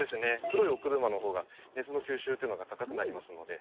黒いお車のほうが、熱の吸収というのが高くなりますので。